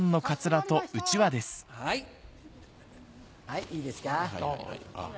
はいいいですか？